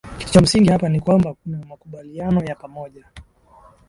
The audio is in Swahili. kitu cha msingi hapa ni kwamba kunamakumbaliano ya pamoja